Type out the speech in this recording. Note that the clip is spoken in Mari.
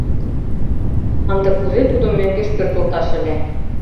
Ынде кузе тудым мӧҥгеш пӧртылташ ыле?